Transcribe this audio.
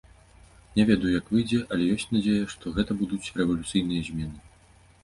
Не ведаю, як выйдзе, але ёсць надзея, што гэта будуць рэвалюцыйныя змены.